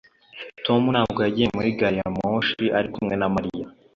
Tom ntabwo yagiye muri gari ya moshi ari kumwe na Mariya